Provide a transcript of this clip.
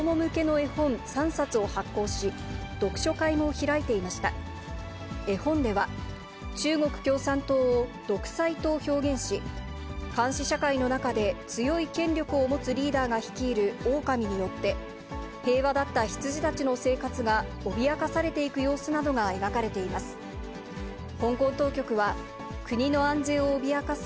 絵本では、中国共産党を独裁と表現し、監視社会の中で強い権力を持つリーダーが率いるオオカミによって、平和だった羊たちの生活が脅かされていく様子などが描かれています。